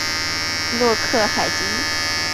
洛克海吉。